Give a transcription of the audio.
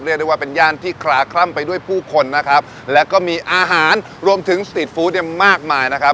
เรียกได้ว่าเป็นย่านที่คลาคล่ำไปด้วยผู้คนนะครับแล้วก็มีอาหารรวมถึงสตรีทฟู้ดเนี่ยมากมายนะครับ